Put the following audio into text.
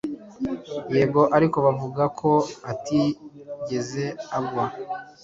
Yego, ariko bavuga ko atigeze agwa.